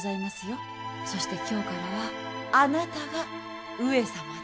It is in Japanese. そして今日からはあなたが上様です。